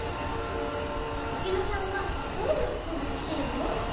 ゆきのさんはどんなふくがほしいの？